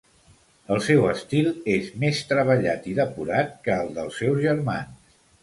El seu estil és més treballat i depurat que el dels seus germans.